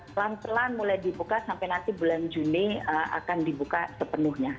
pelan pelan mulai dibuka sampai nanti bulan juni akan dibuka sepenuhnya